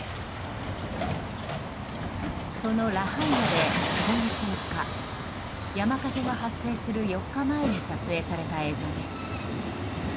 そのラハイナで今月４日山火事が発生する４日前に撮影された映像です。